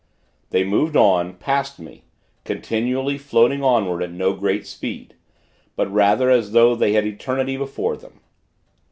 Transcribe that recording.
They moved on, past me, continually, floating onward at no great speed; but rather as though they had eternity before them.